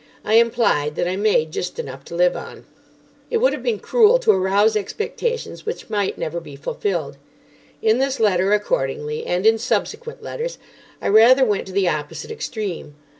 I implied that I made just enough to live on. It would have been cruel to arouse expectations which might never be fulfilled. In this letter, accordingly, and in subsequent letters, I rather went to the opposite extreme.